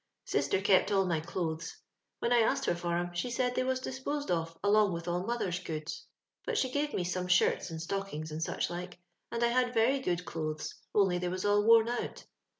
" Sister kept all my clothes. When I asked her for 'em, she said they was disposed of along with all mother's goods ; but she gave me some shirts and stockings, and such like, and I had very good clothes, only they was all worn out.